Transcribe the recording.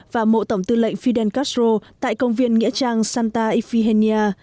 và mộ tổng tư lệnh fidel castro tại công viên nghĩa trang santa ifigenia